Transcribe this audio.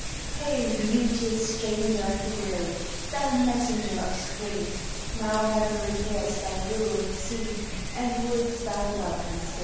Hail, beauteous stranger of the grove! Thou messenger of spring! Now Heaven repairs thy rural seat, And woods thy welcome sin